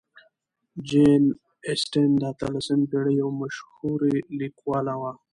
جین اسټن د اتلسمې پېړۍ یو مشهورې لیکواله وه.